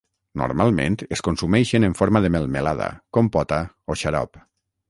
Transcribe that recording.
Normalment es consumeixen en forma de melmelada, compota o xarop.